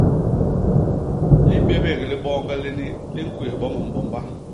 Libébék li boñge lini li ñkwés bo mimbomba.